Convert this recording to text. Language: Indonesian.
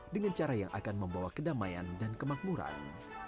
dengan cara yang akan membawa kedamaian dan kemakmuran